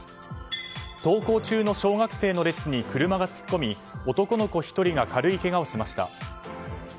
登校中の小学生の列に車が突っ込み男の子１人が軽いけがをしました。